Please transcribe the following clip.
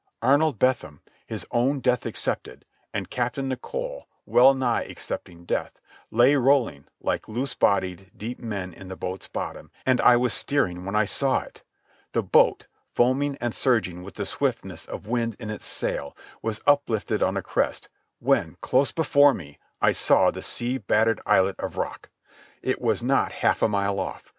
Arnold Bentham, his own death accepted, and Captain Nicholl, well nigh accepting death, lay rolling like loose bodied dead men in the boat's bottom, and I was steering when I saw it. The boat, foaming and surging with the swiftness of wind in its sail, was uplifted on a crest, when, close before me, I saw the sea battered islet of rock. It was not half a mile off.